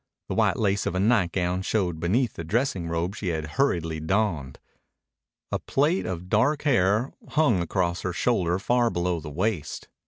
The white lace of a nightgown showed beneath the dressing robe she had hurriedly donned. A plait of dark hair hung across her shoulder far below the waist.